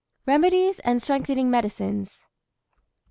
REMEDIES AND STRENGTHENING MEDICINES.